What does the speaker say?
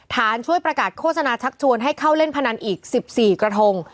ช่วยประกาศโฆษณาชักชวนให้เข้าเล่นพนันอีก๑๔กระทง